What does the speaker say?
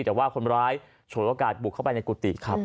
แต่ว่าคนร้ายฉวยโอกาสบุกเข้าไปในกุฏิครับ